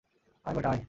আয় বেটা, আয়।